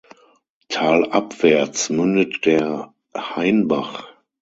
Talabwärts mündet der "Hainbach".